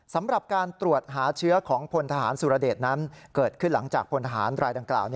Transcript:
สำหรับการตรวจหาเชื้อของพลทหารสุรเดชนั้นเกิดขึ้นหลังจากพลทหารรายดังกล่าว